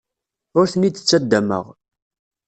Ur ten-id-ttaddameɣ.